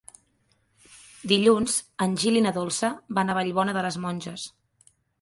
Dilluns en Gil i na Dolça van a Vallbona de les Monges.